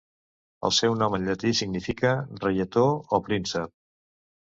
El seu nom en llatí significa 'reietó' o 'príncep'.